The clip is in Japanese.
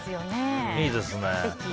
いいですね。